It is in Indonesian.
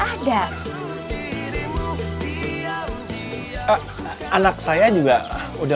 ada apas semangat